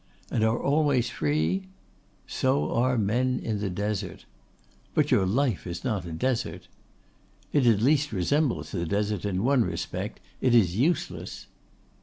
'And are always free?' 'So are men in the Desert.' 'But your life is not a Desert?' 'It at least resembles the Desert in one respect: it is useless.